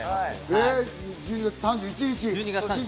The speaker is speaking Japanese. １２月３１日。